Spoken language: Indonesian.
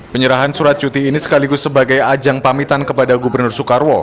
penyerahan surat cuti ini sekaligus sebagai ajang pamitan kepada gubernur soekarwo